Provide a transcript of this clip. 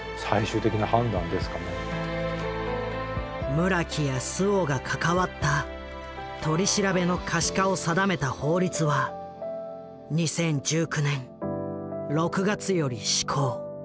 村木や周防が関わった取り調べの可視化を定めた法律は２０１９年６月より施行。